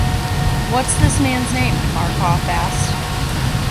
What’s this man’s name?” Marcof asked.